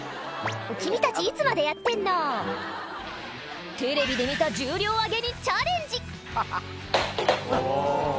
君たちいつまでやってんのテレビで見た重量挙げにチャレンジあぁ！